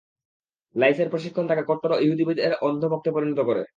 লাঈছের প্রশিক্ষণ তাকে কট্টর ও ইহুদীবাদের অন্ধ ভক্তে পরিণত করে।